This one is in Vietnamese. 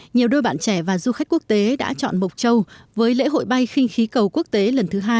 nhiều đôi bạn trẻ và du khách quốc tế đã chọn mộc châu với lễ hội bay khinh khí cầu quốc tế lần thứ hai